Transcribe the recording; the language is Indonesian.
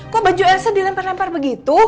kamu juga elsa dilempar lempar begitu